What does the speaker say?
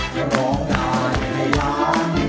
ร้องได้ให้ล้าน